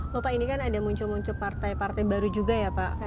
bapak ini kan ada muncul muncul partai partai baru juga ya pak